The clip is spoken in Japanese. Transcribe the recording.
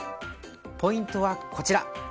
ポイントはこちら。